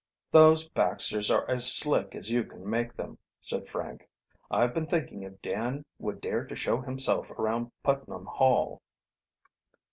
"Those Baxters are as slick as you can make them," said Frank. "I've been thinking if Dan would dare to show himself around Putnam Hall."